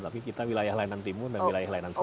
tapi kita wilayah layanan timur dan wilayah lainan selatan